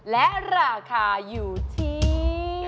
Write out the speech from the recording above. และราคาอยู่ที่